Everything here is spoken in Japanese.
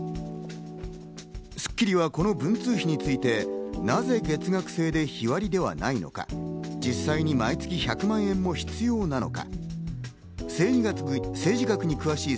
『スッキリ』はこの文通費について、なぜ月額制で日割りではないのか、実際に毎月１００万円も必要なのか？